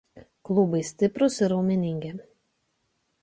Klubai stiprūs ir raumeningi.